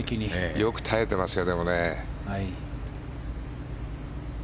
よく耐えていますよ。